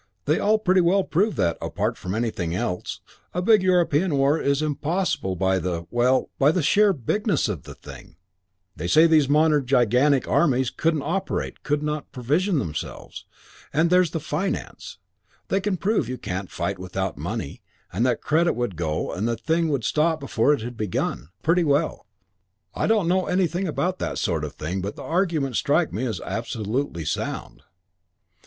They all pretty well prove that, apart from anything else, a big European war is impossible by the well, by the sheer bigness of the thing. They say these modern gigantic armies couldn't operate, couldn't provision themselves. And there's the finance. They prove you can't fight without money and that credit would go and the thing would stop before it had begun, pretty well. I don't know anything about that sort of thing, but the arguments strike me as absolutely sound."